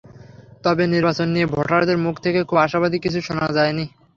তবে নির্বাচন নিয়ে ভোটারদের মুখ থেকে খুব আশাবাদী কিছু শোনা যায়নি।